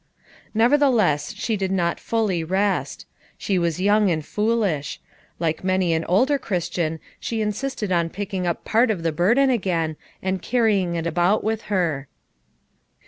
Nevertheless, she did not fully rest; she was young and foolish; like many an older Chris 242 FOUR MOTHERS AT CHAUTAUQUA tian she insisted on picking np part of the burden again and carrying it about with her.